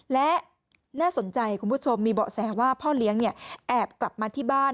และน่าสนใจคุณผู้ชมมีเบาะแสว่าพ่อเลี้ยงแอบกลับมาที่บ้าน